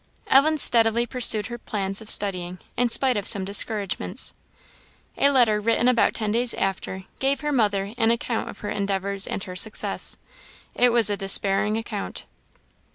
Ellen steadily pursued her plans of studying, in spite of some discouragements. A letter, written about ten days after, gave her mother an account of her endeavours and of her success. It was a despairing account.